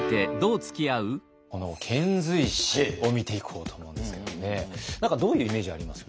この遣隋使を見ていこうと思うんですけどもね何かどういうイメージあります？